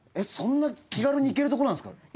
そんな気軽に行けるとこなんですか？